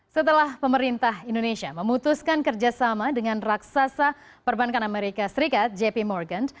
setelah pemerintah indonesia memutuskan kerjasama dengan raksasa perbankan amerika serikat jp morgan